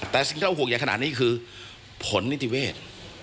แต่สิ่งที่เราห่วงอย่างขนาดนี้คือผลนิตุเวศ